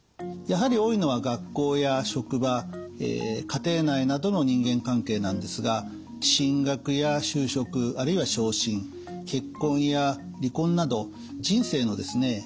やはり多いのは学校や職場家庭内などの人間関係なんですが進学や就職あるいは昇進結婚や離婚など人生のですね